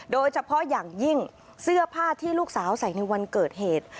โดยเฉพาะอย่างยิ่งเสื้อผ้าที่ลูกสาวใส่ในวันเกิดเหตุ